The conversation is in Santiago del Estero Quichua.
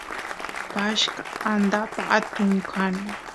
pashqa andapa atun kan